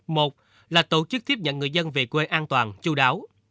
một là tổ chức tiếp nhận người dân về quê an toàn chú đáo